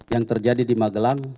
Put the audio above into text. yang terjadi di magelang